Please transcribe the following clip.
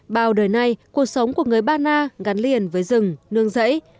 bao đời nay cuộc sống của người ba na gắn liền với rừng nương rẫy